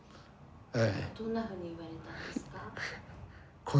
どんなふうに言われたんですか？